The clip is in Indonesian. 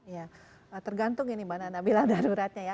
ya tergantung ini mana anda bilang daruratnya ya